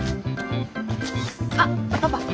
あっパパ。